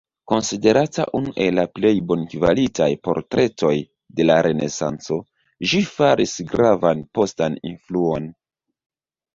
Konsiderata unu el plej bonkvalitaj portretoj de la Renesanco, ĝi faris gravan postan influon.